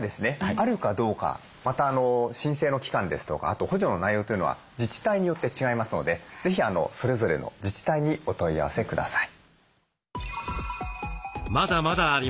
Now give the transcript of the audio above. あるかどうかまた申請の期間ですとかあと補助の内容というのは自治体によって違いますので是非それぞれの自治体にお問い合わせください。